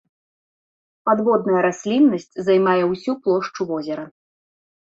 Падводная расліннасць займае ўсю плошчу возера.